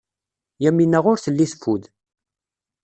Yamina ur telli teffud.